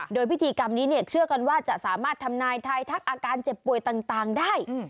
โดยพิธีกรรมนี้เชื่อกันว่าจะสามารถทำนายทายทักอาการเจ็บป่วยต่างได้